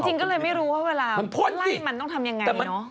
จริงก็เลยไม่รู้ว่าเวลาไล่มันต้องทำอย่างไรเนอะ